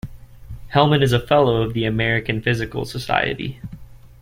Hellman is a fellow of the American Physical Society.